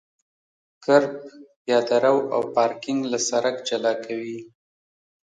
کرب پیاده رو او پارکینګ له سرک جلا کوي